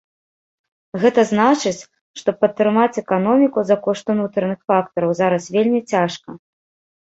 Гэта значыць, што падтрымаць эканоміку за кошт унутраных фактараў зараз вельмі цяжка.